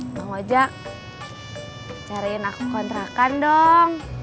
bang ojak cariin aku kontrakan dong